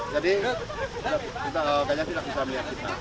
jadi gajah tidak bisa melihat kita